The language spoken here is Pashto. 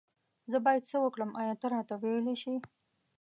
زه بايد سه وکړم آيا ته راته ويلي شي